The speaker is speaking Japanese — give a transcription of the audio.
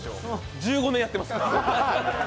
１５年やってます。